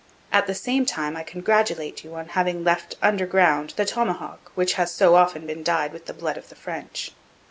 At the same time I congratulate you on having left under ground the tomahawk which has so often been dyed with the blood of the French.